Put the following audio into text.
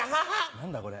何だこれ？